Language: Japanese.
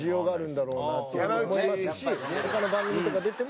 山内：他の番組とか出ても。